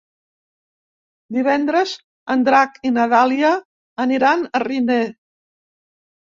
Divendres en Drac i na Dàlia aniran a Riner.